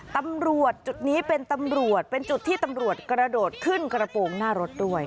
ตำรวจจุดนี้เป็นตำรวจเป็นจุดที่ตำรวจกระโดดขึ้นกระโปรงหน้ารถด้วย